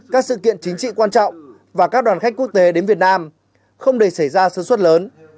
các sự kiện chính trị quan trọng và các đoàn khách quốc tế đến việt nam không để xảy ra sự xuất lớn